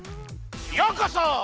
ようこそ！